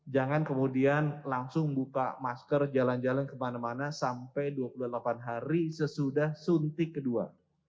jangan kemudian langsung buka masker jalan jalan kemana mana sampai dua puluh delapan hari sesudah suntik kedua